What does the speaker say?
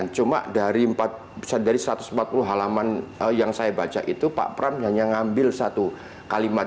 cuma dari satu ratus empat puluh halaman yang saya baca itu pak pram hanya mengambil satu kalimat